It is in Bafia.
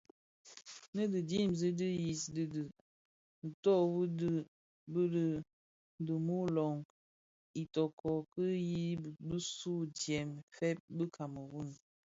Nnë dhi dimzi di dhiyis di dhi nto u dhid bi dimuloň Itoko ki yin bisuu ntsem fè bi kameroun,